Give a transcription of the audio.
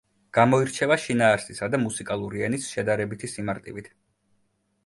გამოირჩევა შინაარსისა და მუსიკალური ენის შედარებითი სიმარტივით.